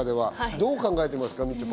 どう考えていますか？